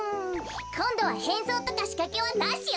こんどはへんそうとかしかけはなしよ。